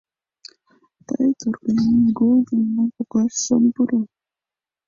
Тый торгайымет годым мый коклаш шым пуро.